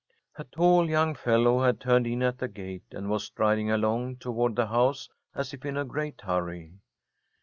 A tall young fellow had turned in at the gate, and was striding along toward the house as if in a great hurry.